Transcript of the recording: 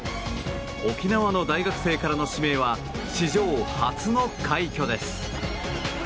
沖縄の大学生からの指名は史上初の快挙です。